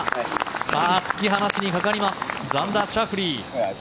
さあ、突き放しにかかりますザンダー・シャフリー。